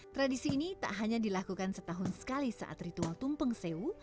tradisi ini tak hanya dilakukan setahun sekali saat ritual tumpeng sewu